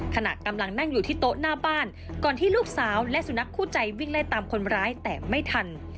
ขณะกำลังนั่งอยู่ที่โต๊ะหน้าบ้านก่อนที่ลูกสาวและสุนัขคู่ใจวิ่งไล่ตามคนร้ายแต่ไม่ทัน